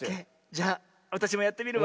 じゃあわたしもやってみるわ。